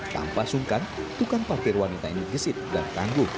tanpa sungkan tukang parkir wanita ini gesit dan tangguh